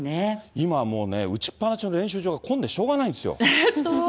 今もうね、打ちっ放しの練習場が混んでしょうがないんですよ。